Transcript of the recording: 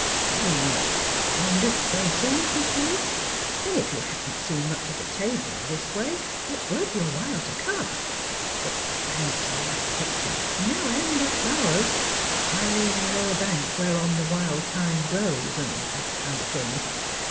"You know you're fond of boating," he pleads; "and if you Haven't seen much of the Tabor this way, it's worth your while to come. The banks are a picture — no end of flowers—' I know a bank whereon the wild thyme grows,' and that kind of thing.